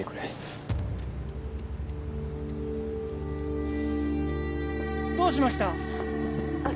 ・どうしました？